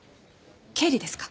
経理ですか？